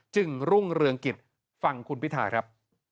จึงรุ่งเรืองกิจฟังคุณพิธาครับ